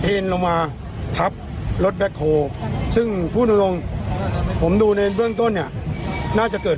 เอ็นลงมาพับรถแบกโฮซึ่งพูดตรงตรงผมดูในเรื่องต้นน่าจะเกิด